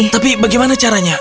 tapi bagaimana caranya